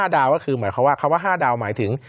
๕ดาวก็คือหมายความว่า๕ดาวหมายถึง